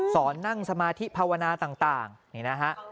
นั่งสมาธิภาวนาต่างนี่นะฮะ